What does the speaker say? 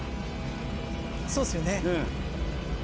そうっすよね？